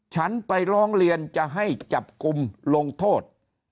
ฉันไปร้องเรียนจะให้จับกลุ่มลงโทษ